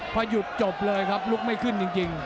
พอหยุดจบเลยครับลุกไม่ขึ้นจริง